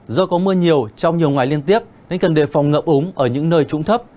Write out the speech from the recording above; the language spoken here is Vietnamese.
do có mưa nhiều trong nhiều ngoài liên tiếp nên cần đề phòng ngậm úng ở những nơi trũng thấp